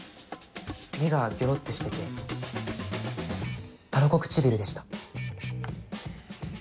目がギョロってしててタラコ唇でした。